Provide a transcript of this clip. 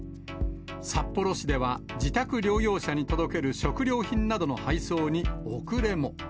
札幌市では、自宅療養者に届ける食料品などの配送に遅れも。